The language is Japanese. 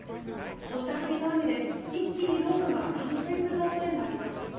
土砂降りの雨で、一気に道路が冠水する恐れもあります。